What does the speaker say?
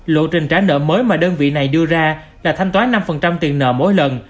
lộ trình trả nợ mới mà đơn vị này đưa ra là thanh toán năm tiền nợ mỗi lần